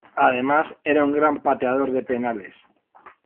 Además, era un gran pateador de penales.